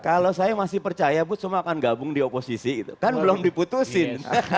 kalau saya masih percaya bu semua akan gabung di oposisi itu kan belum diputusin